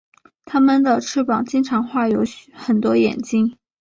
他们的翅膀经常画有很多眼睛。